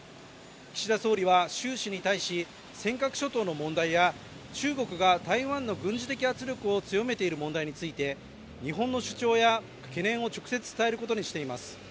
岸田総理は習氏に対し尖閣諸島の問題や中国が台湾の軍事的圧力を強めている問題について日本の主張や懸念を直接伝えることにしています。